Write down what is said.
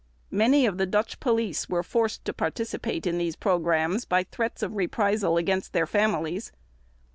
Many of the Dutch police were forced to participate in these programs by threats of reprisal against their families.